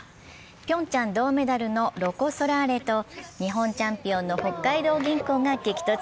ピョンチャン銅メダルのロコ・ソラーレと日本チャンピオンの北海道銀行が激突。